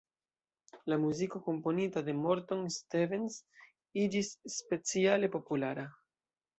La muziko komponita de Morton Stevens iĝis speciale populara.